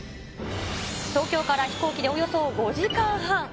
東京から飛行機でおよそ５時間半。